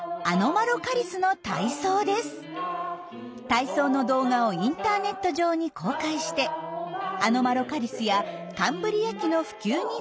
体操の動画をインターネット上に公開してアノマロカリスやカンブリア紀の普及に努めています。